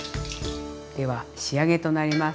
では仕上げとなります。